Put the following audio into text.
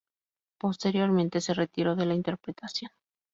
Posteriormente, se retiró de la interpretación.